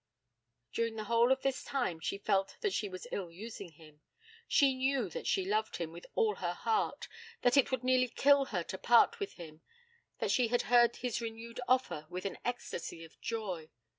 During the whole of this time she felt that she was ill using him. She knew that she loved him with all her heart; that it would nearly kill her to part with him; that she had heard his renewed offer with an ecstasy of joy.